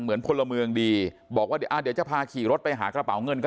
พลเมืองดีบอกว่าเดี๋ยวจะพาขี่รถไปหากระเป๋าเงินก็